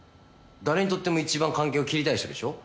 誰にとっても一番関係を切りたい人でしょ？